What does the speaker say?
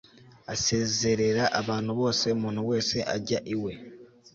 asezerera abantu bose umuntu wese ajya iwe